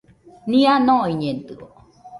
Nia noiñedɨo?